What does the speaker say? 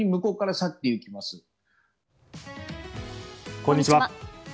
こんにちは。